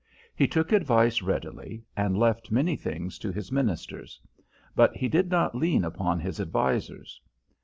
He took advice readily, and left many things to his ministers; but he did not lean upon his advisers.